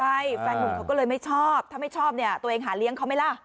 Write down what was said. ใช่แฟนหนุ่มเขาก็เลยไม่ชอบถ้าไม่ชอบเนี่ยตัวเองหาเลี้ยงเขาไหมล่ะ